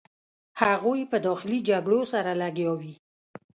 هغوی په داخلي جګړو سره لګیا وې.